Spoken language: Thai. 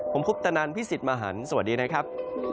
ผมคุปตะนันพี่สิทธิ์มหันฯสวัสดีนะครับ